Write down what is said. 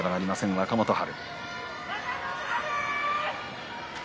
若元春。